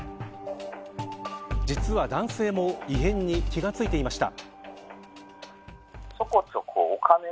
実は男性も異変に気が付いていました。